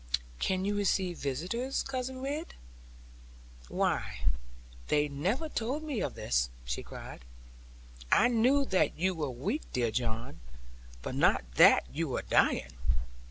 'Can you receive visitors, Cousin Ridd? why, they never told me of this!' she cried: 'I knew that you were weak, dear John; but not that you were dying.